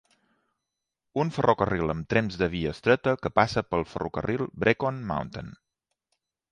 Un ferrocarril amb trens de via estreta que passa pel ferrocarril Brecon Mountain.